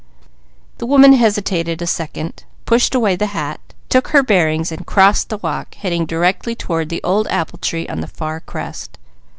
The woman hesitated a second, pushed away the hat, took her bearings and crossed the walk, heading directly toward the old apple tree on the far crest.